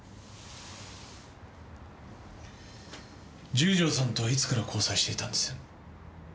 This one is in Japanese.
十条さんとはいつから交際していたんです？